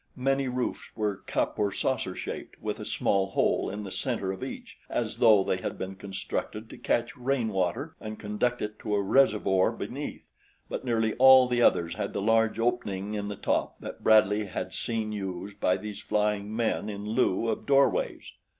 Many roofs were cup or saucer shaped with a small hole in the center of each, as though they had been constructed to catch rain water and conduct it to a reservoir beneath; but nearly all the others had the large opening in the top that Bradley had seen used by these flying men in lieu of doorways.